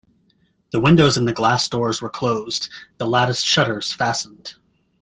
The windows and the glass doors were closed, the latticed shutters fastened.